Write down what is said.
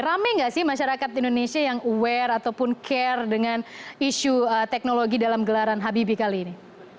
ramai nggak sih masyarakat indonesia yang aware ataupun care dengan isu teknologi dalam gelaran habibie kali ini